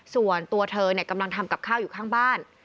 ส่วนตัวเธอกำลังทำกับข้าวอยู่ข้างบ้าน